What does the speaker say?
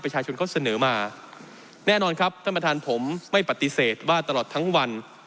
ประชาชนเขาเสนอมาแน่นอนครับท่านประธานผมไม่ปฏิเสธว่าตลอดทั้งวัน